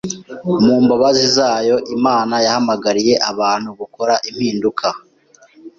Mu mbabazi zayo, Imana yahamagariye abantu gukora impinduka